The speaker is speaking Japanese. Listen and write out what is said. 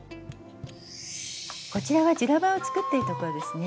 こちらは「ジュラバ」を作っているところですね。